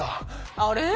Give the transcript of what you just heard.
あれ？